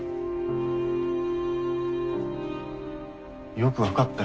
よく分かったよ。